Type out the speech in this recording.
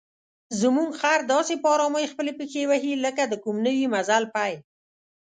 زموږ خر داسې په آرامۍ خپلې پښې وهي لکه د کوم نوي مزل پیل.